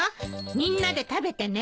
みんなで食べてね。